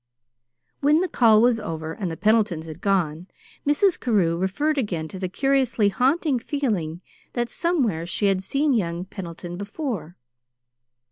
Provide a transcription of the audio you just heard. When the call was over and the Pendletons had gone, Mrs. Carew referred again to the curiously haunting feeling that somewhere she had seen young Pendleton before.